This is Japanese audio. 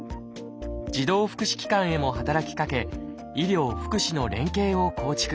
児童福祉機関へも働きかけ医療・福祉の連携を構築。